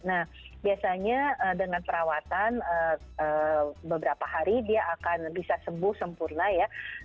nah biasanya dengan perawatan beberapa hari dia akan bisa sembuh sempurna ya